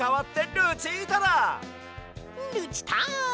ルチタン！